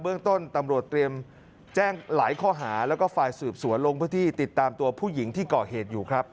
เรื่องต้นตำรวจเตรียมแจ้งหลายข้อหาแล้วก็ฝ่ายสืบสวนลงพื้นที่ติดตามตัวผู้หญิงที่ก่อเหตุอยู่ครับ